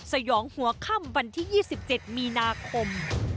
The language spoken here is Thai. สยองหัวค่ำวันที่๒๗มีนาคม